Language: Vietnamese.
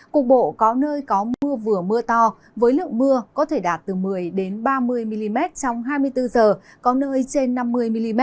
cục bộ có nơi có mưa vừa mưa to với lượng mưa có thể đạt từ một mươi ba mươi mm trong hai mươi bốn h có nơi trên năm mươi mm